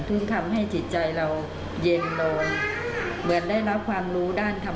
ทำให้จิตใจเราเย็นลงเหมือนได้รับความรู้ด้านธรรม